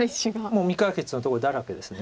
もう未解決のところだらけです。